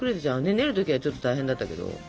練る時はちょっと大変だったけど。